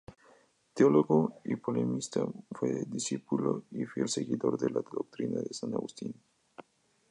Teólogo y polemista, fue discípulo y fiel seguidor de la doctrina de San Agustín.